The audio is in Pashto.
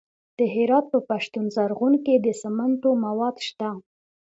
د هرات په پشتون زرغون کې د سمنټو مواد شته.